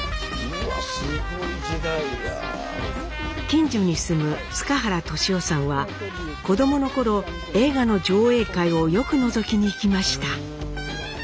近所に住む塚原利夫さんは子どもの頃映画の上映会をよくのぞきに行きました。